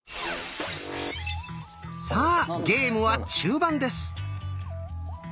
さあゲームは中盤です。